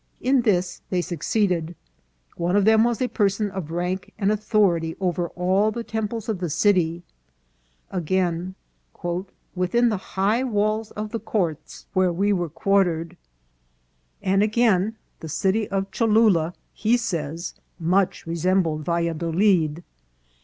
In this they succeeded. One of them was a person of rank and authority over all the temples of the city. Again • "within the high walls of the courts where we 39 448 INCIDENTS OP TRAVEL. were quartered." And again : the city of Cholnla, he says, " much resembled Valladolid."